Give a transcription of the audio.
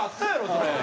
それ。